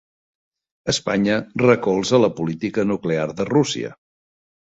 Espanya recolza la política nuclear de Rússia